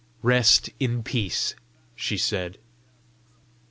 "Rest in peace," she said.